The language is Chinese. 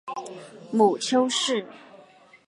母丘氏。